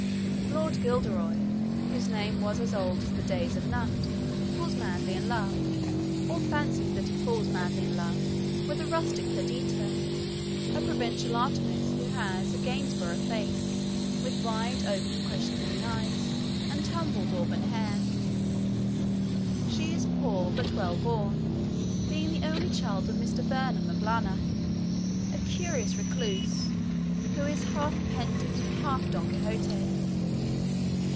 Lord Guilderoy, 'whose name was as old as the days of Knut,' falls madly in love, or fancies that he falls madly in love, with a rustic Perdita, a provincial Artemis who has 'a Gainsborough face, with wide opened questioning eyes and tumbled auburn hair.' She is poor but well born, being the only child of Mr. Vernon of Llanarth, a curious recluse, who is half a pedant and half Don Quixote.